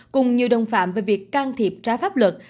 cùng nhiều đồng phạm về việc can thiệp trái pháp luật